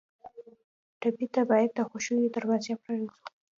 ټپي ته باید د خوښیو دروازې پرانیزو.